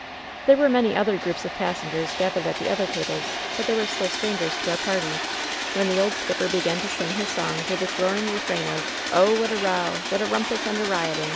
There were many other groups of passengers gathered at the other tables, but they we^e still strangers to our party, when the old skipper began to sing his song with its roaring refrain of: ^'Oh! what a row! what a rumpus! and a rioting!